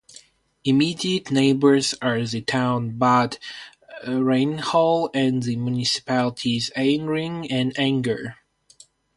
Immediate neighbours are the town Bad Reichenhall and the municipalities Ainring and Anger.